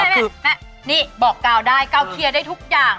คือนี่บอกกาวได้กาวเคลียร์ได้ทุกอย่าง